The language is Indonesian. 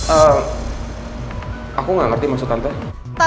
emangnya ada apa sama putri